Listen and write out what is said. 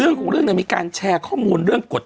เป็นการกระตุ้นการไหลเวียนของเลือด